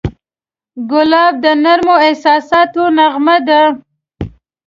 ګلاب د نرمو احساساتو نغمه ده.